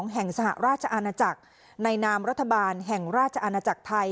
แห่งสหราชอาณาจักรในนามรัฐบาลแห่งราชอาณาจักรไทย